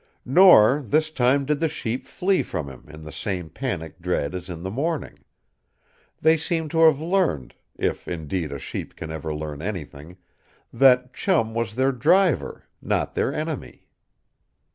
Nor, this time, did the sheep flee from him in the same panic dread as in the morning. They seemed to have learned if indeed a sheep can ever learn anything that Chum was their driver, not their enemy.